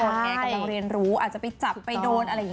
แม่กำลังเรียนรู้อาจจะไปจับไปโดนอะไรอย่างนี้